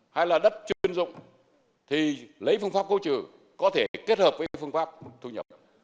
hay là đất chưa chuyên dụng thì lấy phương pháp công trừ có thể kết hợp với phương pháp thu nhập